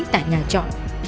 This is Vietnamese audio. tại nhà trò